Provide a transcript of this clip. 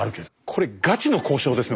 これガチの交渉ですね